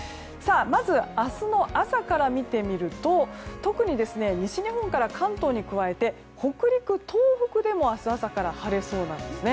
まず、明日の朝から見てみると特に西日本から関東に加えて北陸、東北でも明日朝から晴れそうなんです。